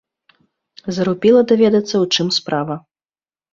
Зарупіла даведацца, у чым справа.